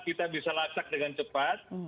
kita bisa lacak dengan cepat